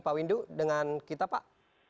pak windu dengan kita pak